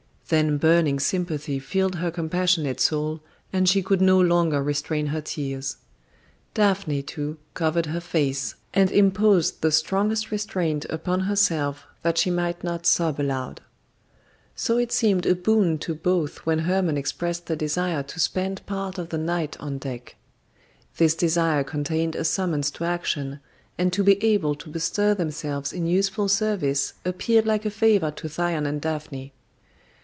Then burning sympathy filled her compassionate soul, and she could no longer restrain her tears. Daphne, too, covered her face, and imposed the strongest restraint upon herself that she might not sob aloud. So it seemed a boon to both when Hermon expressed the desire to spend part of the night on deck. This desire contained a summons to action, and to be able to bestir themselves in useful service appeared like a favour to Thyone and Daphne.